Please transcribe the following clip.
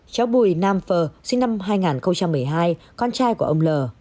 cháu bùi nam phờ sinh năm hai nghìn một mươi hai con trai của ông l